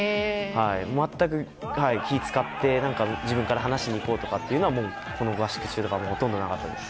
全く気を使って、自分から話しに行こうとかというのはこの合宿中はほとんどなかったです。